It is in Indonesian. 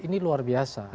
ini luar biasa